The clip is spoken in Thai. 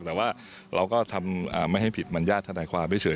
แต่ว่าเราก็ทำไม่ให้ผิดมัญญาติธนายความเฉย